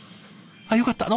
あっよかった。